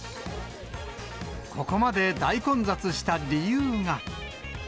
ここまで大混雑した理由が。